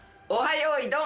よいどん」